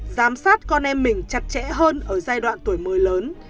giám sát con em mình chặt chẽ hơn ở giai đoạn tuổi mới lớn